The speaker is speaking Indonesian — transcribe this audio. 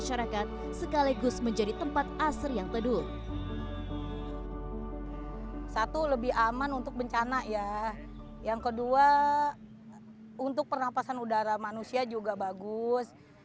yang kedua untuk pernafasan udara manusia juga bagus